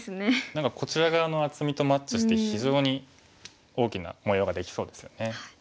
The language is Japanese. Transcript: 何かこちら側の厚みとマッチして非常に大きな模様ができそうですよね。